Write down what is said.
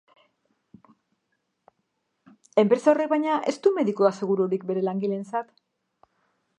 Enpresa horrek, baina, ez du mediku asegururik bere langileentzat.